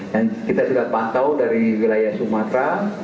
dan kita juga pantau dari wilayah sumatera